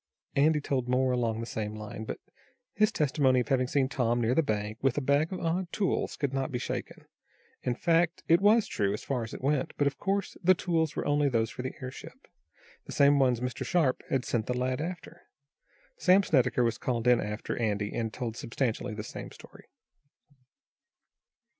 Andy told more along the same line, but his testimony of having seen Tom near the bank, with a bag of odd tools could not be shaken. In fact it was true, as far as it went, but, of course, the tools were only those for the airship; the same ones Mr. Sharp had sent the lad after. Sam Snedecker was called in after Andy, and told substantially the same story.